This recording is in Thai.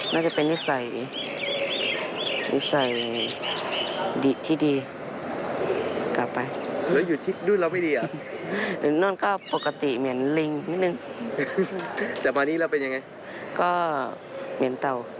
น่าจะเป็นนิสัย